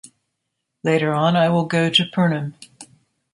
Later on I will go to Pernem.